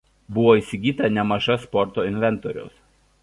Buvo įsigyta nemaža sporto inventoriaus.